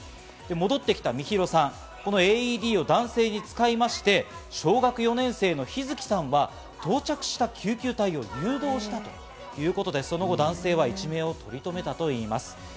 戻ってきた美弘さん、このＡＥＤを男性に使いまして、小学４年生の陽月さんは到着した救急隊を誘導したということでその後、男性は一命を取り止めたといいます。